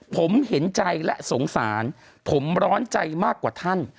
ผมเห็นใจและสงสารผมร้อนใจมากกว่าท่าน